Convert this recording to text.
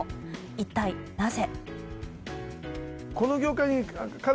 一体なぜ？